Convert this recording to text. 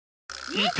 いた！